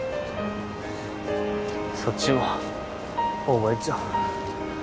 そっちも覚えちょ。